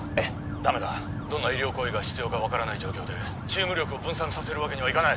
ダメだどんな医療行為が必要か分からない状況でチーム力を分散させるわけにはいかない